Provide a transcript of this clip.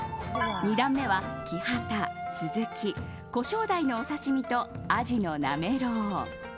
２段目はキハタ、スズキコショウダイのお刺し身とアジのなめろう。